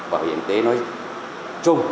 bảo hiểm y tế nói chung